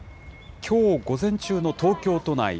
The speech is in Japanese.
きょう午前中の東京都内。